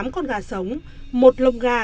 tám con gà sống một lồng gà